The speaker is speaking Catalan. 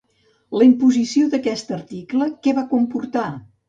La imposició d'aquest article, què va comportar?